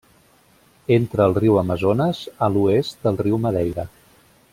Entra al riu Amazones a l’oest del riu Madeira.